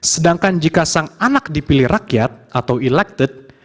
sedangkan jika sang anak dipilih rakyat atau elected